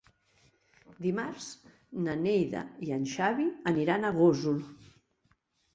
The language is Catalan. Dimarts na Neida i en Xavi aniran a Gósol.